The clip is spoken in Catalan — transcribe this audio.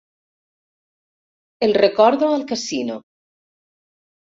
El recordo al casino.